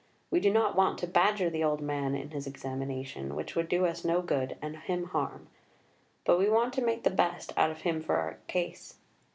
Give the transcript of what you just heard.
We do not want to badger the old man in his examination, which would do us no good and him harm. But we want to make the best out of him for our case.